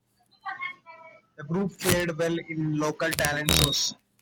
The group fared well in local talent shows.